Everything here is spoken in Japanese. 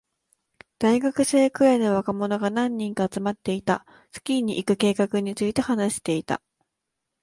大学生くらいの若者が何人か集まっていた。スキーに行く計画について話していた。